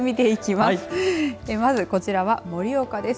まず、こちらは盛岡です。